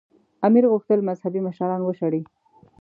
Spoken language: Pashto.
امیر غوښتل مذهبي مشران وشړي.